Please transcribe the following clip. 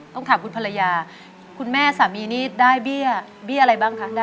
ต้องถามคุณภรรยาคุณแม่สามีนี่ได้เบี้ยเบี้ยอะไรบ้างคะ